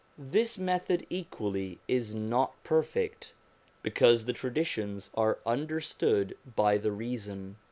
This method equally is not perfect, because the traditions are understood by the reason.